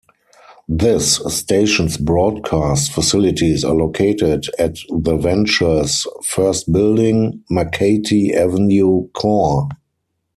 This station's broadcast facilities are located at the Ventures I Bldg., Makati Avenue cor.